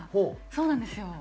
そうなんですよ。